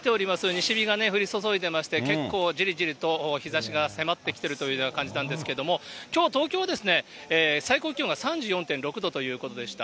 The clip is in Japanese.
西日が降り注いでまして、結構じりじりと日ざしが迫ってきているというような感じなんですけれども、きょう、東京、最高気温が３４．６度ということでした。